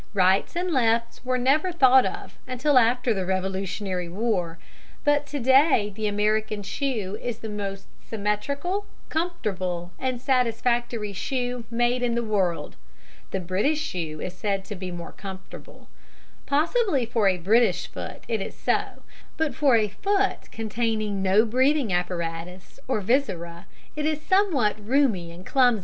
Rights and lefts were never thought of until after the Revolutionary War, but to day the American shoe is the most symmetrical, comfortable, and satisfactory shoe made in the world. The British shoe is said to be more comfortable. Possibly for a British foot it is so, but for a foot containing no breathing apparatus or viscera it is somewhat roomy and clumsy.